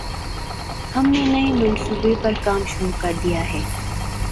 ہم نے نئے منصوبے پر کام شروع کر دیا ہے۔